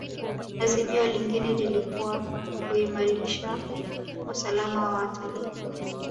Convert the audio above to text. azimio lingine lilikuwa kuimalisha usalama wa watalii